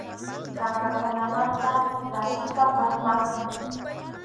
Qaqakunamanta rakisqa, phatmasqa.